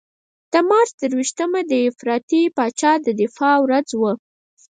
د مارچ درویشتمه د افراطي پاچا د دفاع ورځ ده.